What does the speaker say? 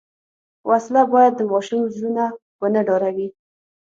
وسله باید د ماشوم زړونه ونه ډاروي